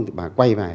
thì bà quay về